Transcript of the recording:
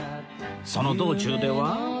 その道中では